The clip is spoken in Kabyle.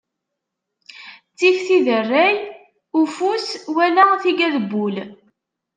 Ttif tiderray ufus, wala tigad n wul.